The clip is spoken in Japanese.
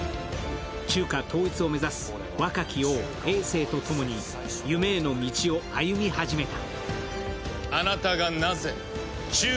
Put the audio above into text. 中華統一を目指す若き王、えい政と共に夢への道を歩み始めた。